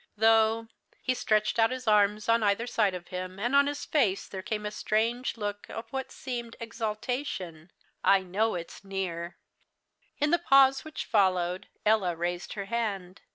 Though" he stretched out his arms on either side of him, and on his face there came a strange look of what seemed exultation "I know it's near." In the pause which followed, Ella raised her hand.